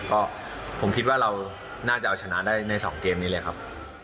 ก็ผมคิดว่าเราน่าจะเอาชนะได้ใน๒เกมนี้เลยครับ